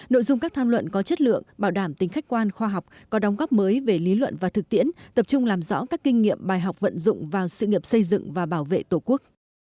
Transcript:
nội dung các tham luận có chất lượng bảo đảm tính khách quan khoa học có đóng góp mới về lý luận và thực tiễn tập trung làm rõ các kinh nghiệm bài học vận dụng vào sự nghiệp xây dựng và bảo vệ tổ quốc